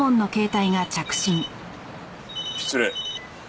失礼。